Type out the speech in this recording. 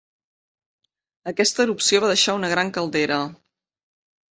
Aquesta erupció va deixar una gran caldera.